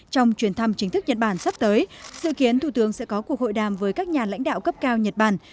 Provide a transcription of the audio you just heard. trong chuyến thăm chính thức nhật bản sắp tới sự kiến thủ tướng sẽ có cuộc hội đàm với các nhà lãnh đạo cấp cao nhật bản